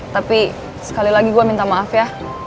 tapi sekali lagi gue minta maaf ya